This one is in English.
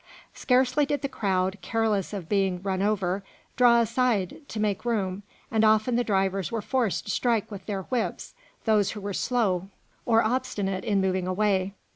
Scarcely did the crowd, careless of being run over, draw aside to make room, and often the drivers were forced to strike with their whips those who were slow or obstinate in moving away.